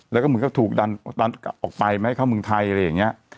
และมึงก็ถูกดันออกไปให้เข้าเมืองไทย